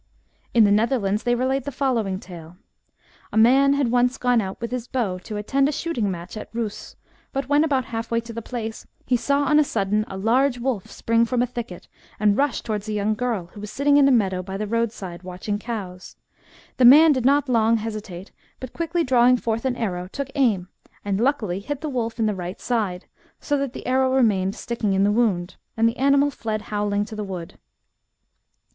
In the Netherlands they relate the following tale :— A man had once gone out with his bow to attend a shooting match at Rousse, but when about half way to 8 114 THE BOOK OF WERE WOLVES. the place, he saw on a sudden, a large wolf spring from a thicket, and rush towards a young girl, who was sitting in a meadow by the roadside watching cows. The man did not long hesitate, but quickly drawing forth an arrow, took aim, and luckily hit the wolf in the right side, so that the arrow remained sticking in the wound, and the animal fled howling to the wood.